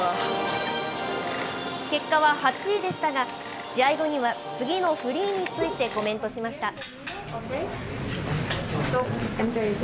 結果は８位でしたが、試合後には、次のフリーについてコメントしました。